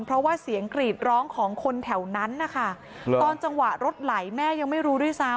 เพราะว่าเสียงกรีดร้องของคนแถวนั้นนะคะตอนจังหวะรถไหลแม่ยังไม่รู้ด้วยซ้ำ